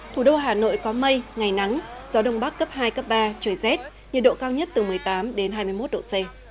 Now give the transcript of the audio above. thủ đô hà nội có mây ngày nắng gió đông bắc cấp hai cấp ba trời rét nhiệt độ cao nhất từ một mươi tám đến hai mươi một độ c